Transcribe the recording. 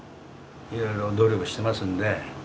いろいろ努力してますんで。